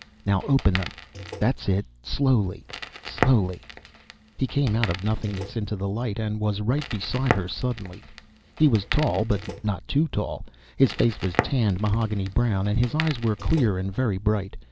Now open them! That's it ... Slowly, slowly ..._ He came out of nothingness into the light and was right beside her suddenly. He was tall, but not too tall. His face was tanned mahogany brown, and his eyes were clear and very bright.